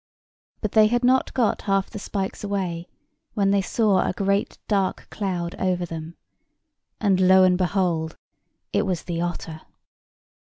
But they had not got half the spikes away when they saw a great dark cloud over them: and lo, and behold, it was the otter.